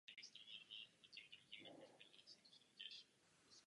Počítačové programy používané k tomuto účelu se nazývají „syntezátory řeči“.